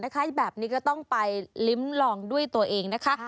ขนมก็ว้านนะคะแบบนี้ก็ต้องไปลิ้มลองด้วยตัวเองนะคะ